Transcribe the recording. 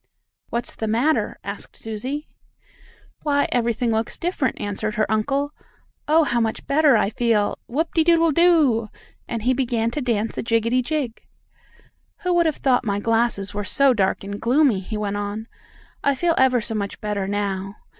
"What's the matter?" asked Susie. "Why, everything looks different," answered her uncle. "Oh, how much better I feel! Whoop de doodle do!" and he began to dance a jiggity jig. "Who would have thought my glasses were so dark and gloomy?" he went on. "I feel ever so much better, now.